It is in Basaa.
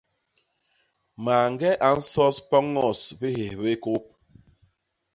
Mañge a nsos poños bihés bi kôp.